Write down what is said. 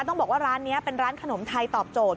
ต้องบอกว่าร้านนี้เป็นร้านขนมไทยตอบโจท